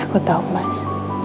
aku tahu mas